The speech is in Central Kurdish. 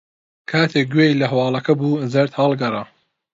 کاتێک گوێی لە ھەواڵەکە بوو، زەرد ھەڵگەڕا.